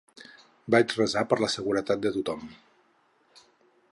Vaig resar per la seguretat de tothom.